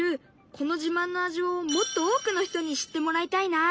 この自慢の味をもっと多くの人に知ってもらいたいな。